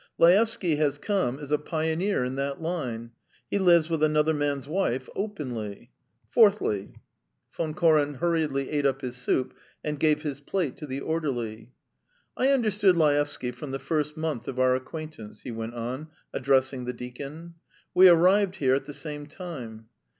Laevsky has come as a pioneer in that line; he lives with another man's wife openly. ... Fourthly ..." Von Koren hurriedly ate up his soup and gave his plate to the orderly. "I understood Laevsky from the first month of our acquaintance," he went on, addressing the deacon. "We arrived here at the same time.